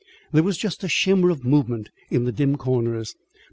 There was just a shimmer of movement in the dim corners.